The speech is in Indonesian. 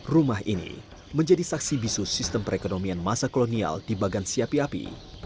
rumah ini menjadi saksi bisu sistem perekonomian masa kolonial di bagansi api api